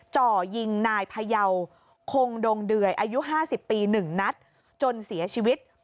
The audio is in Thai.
จ่อยิงนายพยาวคงดงเดือยอายุ๕๐ปี๑นัดจนเสียชีวิต